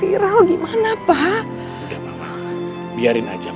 orang ini tersayang